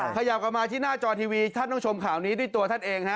ขยับกลับมาที่หน้าจอทีวีท่านต้องชมข่าวนี้ด้วยตัวท่านเองฮะ